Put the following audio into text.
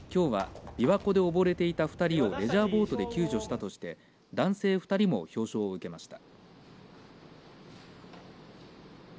また、きょうは琵琶湖で溺れていた２人をレジャーボートで救助したとして男性２人も表彰を受けました。